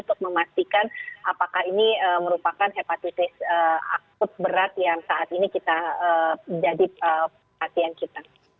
untuk memastikan apakah ini merupakan hepatitis akut berat yang saat ini kita jadi perhatian kita